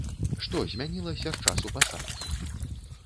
Што змянілася з часу пасадкі?